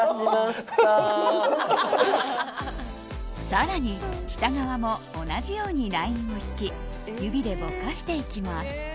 更に下側も同じようにラインを引き指でぼかしていきます。